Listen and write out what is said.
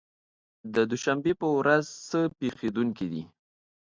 د دوشنبې په ورځ څه پېښېدونکي دي؟